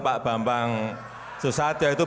pak bambang susah ya itu